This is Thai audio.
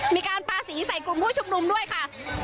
มีการปาสีใส่กลุ่มผู้ชุมนุมด้วยค่ะ